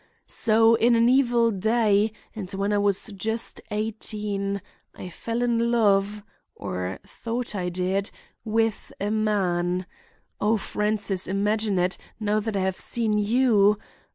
So, in an evil day, and when I was just eighteen, I fell in love, or thought I did, with a man—(Oh, Francis, imagine it, now that I have seen you!)